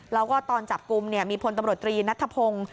แล้วก็ตอนจับกลุ่มมีพลตำรวจตรีนัทธพงศ์